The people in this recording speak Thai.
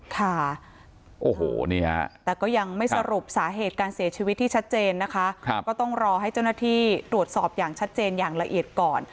ค่ะโอ้โหนี่ฮะแต่ก็ยังไม่สรุปสาเหตุการเสียชีวิตที่ชัดเจนนะคะก็ต้องรอให้เจ้าหน้าที่ตรวจสอบอย่างชัดเจนอย่างละเอียดก่อน